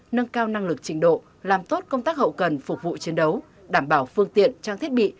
nâng cao năng lực trình độ làm tốt công tác hậu cần phục vụ chiến đấu đảm bảo phương tiện trang thiết bị